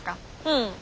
うん。